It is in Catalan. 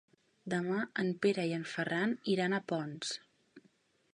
Demà en Pere i en Ferran iran a Ponts.